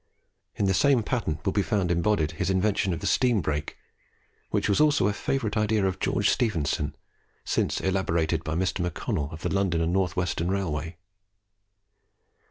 In the same patent will be found embodied his invention of the steam brake, which was also a favourite idea of George Stephenson, since elaborated by Mr. MacConnell of the London and North Western Railway.